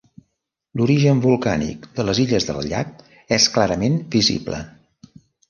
L'origen volcànic de les illes del llac és clarament visible.